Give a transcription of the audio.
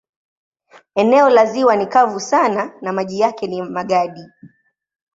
Eneo la ziwa ni kavu sana na maji yake ni ya magadi.